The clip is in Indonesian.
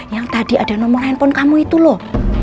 yang tadi ada nomor handphone kamu itu loh